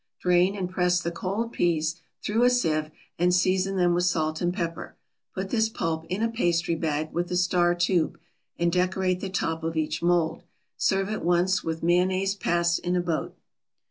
Drain and press the cold peas through a sieve, and season them with salt and pepper; put this pulp in a pastry bag with a star tube, and decorate the top of each mold. Serve at once with mayonnaise passed in a boat.